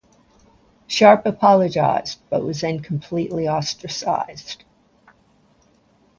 Sharp apologised, but was then completely ostracised.